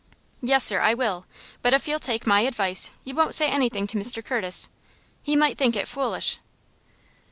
"Yes, sir, I will. But if you'll take my advice, you won't say anything to Mr. Curtis. He might think it foolish."